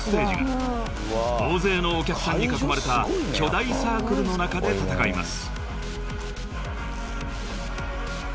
［大勢のお客さんに囲まれた巨大サークルの中で戦います］